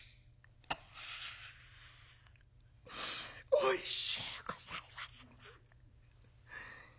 「おいしゅうございますな」。